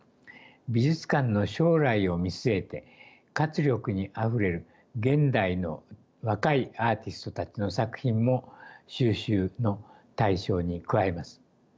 美術館の将来を見据えて活力にあふれる現代の若いアーティストたちの作品も収集の対象に加えます。